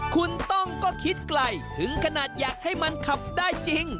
คุณต้องก็คิดไกลถึงขนาดอยากให้มันขับได้จริง